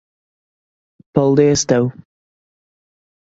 Paldies tev.